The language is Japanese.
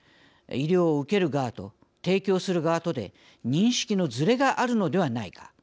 「医療を受ける側と提供する側とで認識のズレがあるのではないか」。